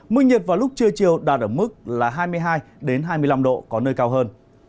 mức nhiệt vào lúc trưa chiều đạt ở mức là hai mươi hai hai mươi năm độ có nơi cao hơn